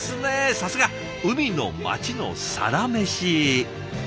さすが海の町のサラメシ。